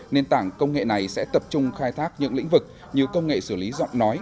nền tảng công nghệ này sẽ tập trung khai thác những lĩnh vực như công nghệ xử lý giọng nói